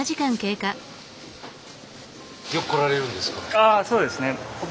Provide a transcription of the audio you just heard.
あそうですね。